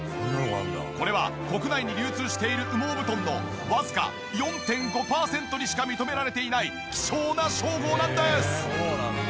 これは国内に流通している羽毛布団のわずか４．５パーセントにしか認められていない希少な称号なんです！